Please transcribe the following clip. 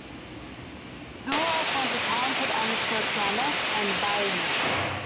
Billroth was a talented amateur pianist and violinist.